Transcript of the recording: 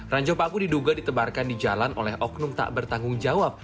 ranjau paku diduga ditebarkan di jalan oleh oknum tak bertanggung jawab